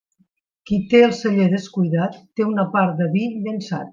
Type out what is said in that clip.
Qui té el celler descuidat té una part de vi llençat.